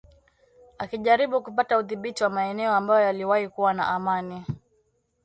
akijaribu kupata udhibiti wa maeneo ambayo yaliwahi kuwa na amani